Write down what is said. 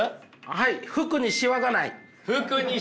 はい服にシワがない。